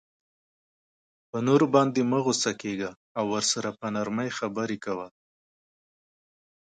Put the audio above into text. په نورو باندی مه په غصه کیږه او ورسره په نرمۍ خبری کوه